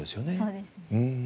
そうですね。